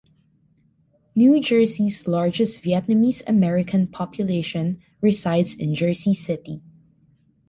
New Jersey's largest Vietnamese American population resides in Jersey City.